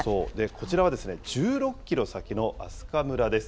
こちらはですね、１６キロ先の明日香村です。